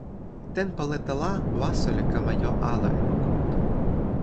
tenpo lete la waso li kama jo ala e moku mute.